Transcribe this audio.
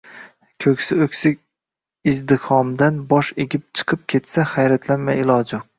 ko’ngli o’ksib izdihomdan bosh egib chiqib ketsa, hayratlanmay ilojim yo’q!